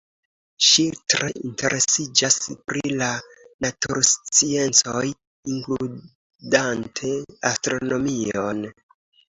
Ŝi tre interesiĝas pri la natursciencoj, inkludante astronomion.